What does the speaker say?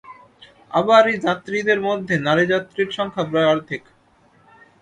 আবার এই যাত্রীদের মধ্যে নারী যাত্রীর সংখ্যা প্রায় অর্ধেক।